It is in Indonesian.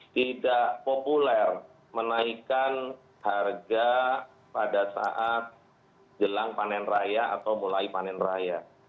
tidak populer menaikkan harga pada saat jelang panen raya atau mulai panen raya